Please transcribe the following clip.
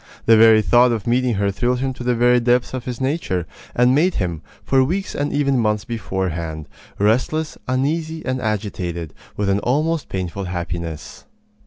The very thought of meeting her thrilled him to the very depths of his nature, and made him, for weeks and even months beforehand, restless, uneasy, and agitated, with an almost painful happiness.